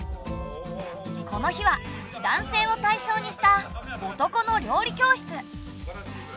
この日は男性を対象にした「男の料理教室」。